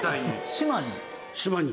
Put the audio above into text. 島に。